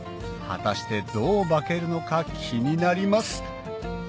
果たしてどう化けるのか気になります